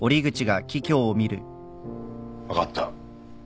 分かった。